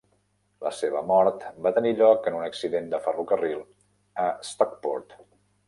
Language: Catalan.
La seva mort va tenir lloc en un accident de ferrocarril a Stockport.